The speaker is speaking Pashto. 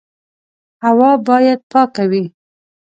هوا باید پاکه وي.